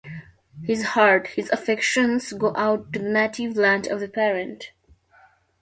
His heart, his affections go out to the native land of the parent.